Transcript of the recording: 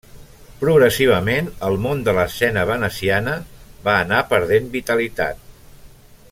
Progressivament el món de l'escena veneciana va anar perdent vitalitat.